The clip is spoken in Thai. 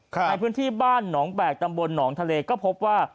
ในพื้นที่บ้านหนองแบกตำบลหนองทะเลก็พบว่า